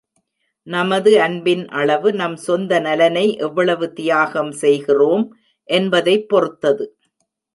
நமது அன்பின் அளவு, நம் சொந்த நலனை எவ்வளவு தியாகம் செய்கிறோம் என்பதைப் பொறுத்தது.